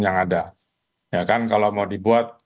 yang ada ya kan kalau mau dibuat